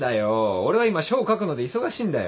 俺は今書を書くので忙しいんだよ。